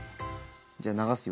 じゃあ流すよ。